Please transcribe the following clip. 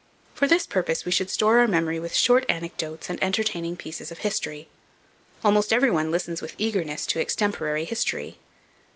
For this purpose we should store our memory with short anecdotes and entertaining pieces of history. Almost every one listens with eagerness to extemporary history.